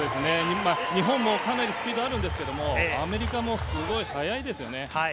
日本もスピードあるんですが、アメリカもすごく速いですよね。